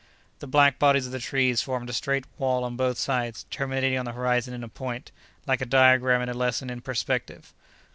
The black bodies of the trees formed a straight wall on both sides, terminating on the horizon in a point, like a diagram in a lesson in perspective.